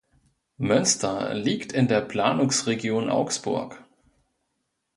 Münster liegt in der Planungsregion Augsburg.